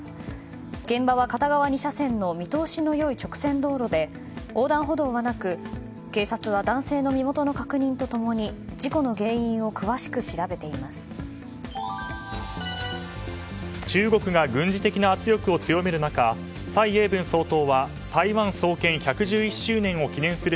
現場は、片側２車線の見通しの良い直線道路で横断歩道はなく警察は男性の身元の確認と共に事故の原因を詳しく調べています。